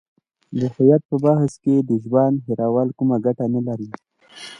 د هویت پر بحث کې ژوند هیرول کومه ګټه نه لري.